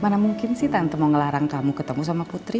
mana mungkin sih tante mau ngelarang kamu ketemu sama putri